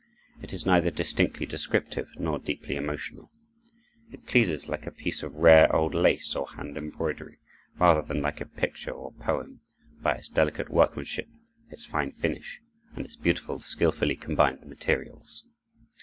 It is neither distinctly descriptive nor deeply emotional. It pleases like a piece of rare old lace or hand embroidery, rather than like a picture or poem, by its delicate workmanship, its fine finish, and its beautiful, skilfully combined materials.